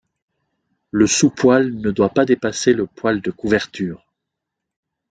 Le sous-poil ne doit pas dépasser le poil de couverture.